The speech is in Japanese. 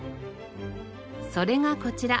それがこちら。